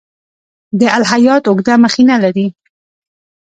دا الهیات اوږده مخینه لري.